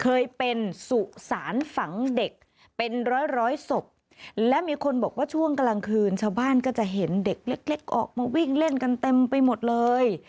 เคยเป็นสุสานฝังเด็กเป็นร้อยร้อยศพและมีคนบอกว่าช่วงกลางคืนชาวบ้านก็จะเห็นเด็กเล็กออกมาวิ่งเล่นกันเต็มไปหมดเลย